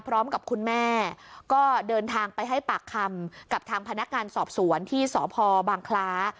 พร้อมกับคุณแม่ก็เดินทางไปให้ปากคำกับทางพนักงานสอบสวนที่สพบางคล้า